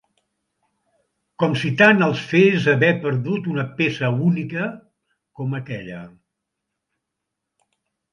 Com si tant els fes haver perdut una peça única com aquella.